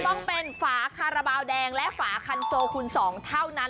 ต้องเป็นฝาคาราบาลแดงและฝาคันโซคูณ๒เท่านั้น